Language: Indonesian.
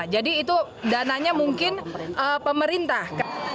jadi itu dananya mungkin pemerintah